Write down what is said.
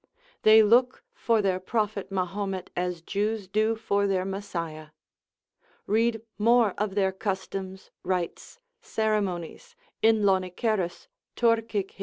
They look for their prophet Mahomet as Jews do for their Messiah. Read more of their customs, rites, ceremonies, in Lonicerus Turcic.